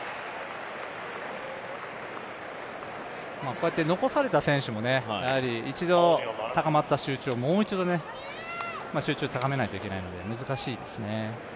こうやって残された選手も一度高まった集中をもう一度集中高めないといけないので難しいですよね。